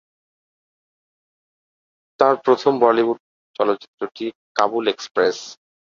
তাঁর প্রথম বলিউড চলচ্চিত্রটি "কাবুল এক্সপ্রেস"।